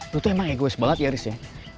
lo tuh emang egois banget ya ris ya